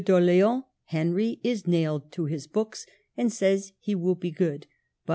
d'Orleans (Henry) is nailed to his books, and says he will be good ; but M.